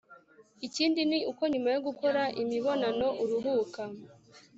ikindi ni uko nyuma yo gukora imibonano uruhuka